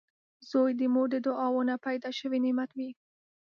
• زوی د مور د دعاوو نه پیدا شوي نعمت وي